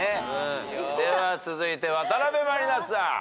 では続いて渡辺満里奈さん。